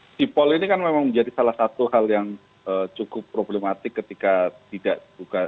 sipol ini kan memang menjadi salah satu hal yang cukup problematik ketika tidak dibuka